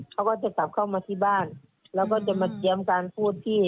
เขาก็จะกลับเข้ามาที่บ้านแล้วก็จะมาเตรียมการพูดพี่